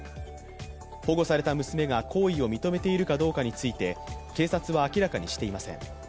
保護された娘が行為を認めているかどうかについて警察は明らかにしていません。